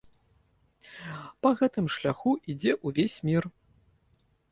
Па гэтым шляху ідзе ўвесь мір.